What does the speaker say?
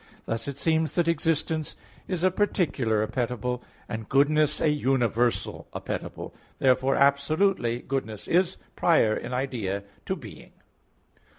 Thus it seems that existence is a particular appetible, and goodness a universal appetible. Therefore, absolutely, goodness is prior in idea to being.